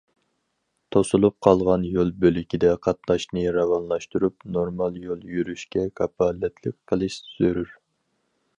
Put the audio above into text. توسۇلۇپ قالغان يول بۆلىكىدە قاتناشنى راۋانلاشتۇرۇپ، نورمال يول يۈرۈشكە كاپالەتلىك قىلىش زۆرۈر.